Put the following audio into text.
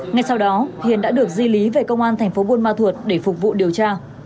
ngay sau đó hiền đã được di lý về công an thành phố buôn ma thuột để phục vụ điều tra